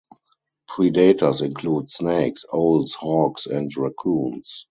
Predators include snakes, owls, hawks and raccoons.